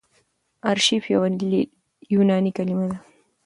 آرشیف يوه یوناني کليمه ده.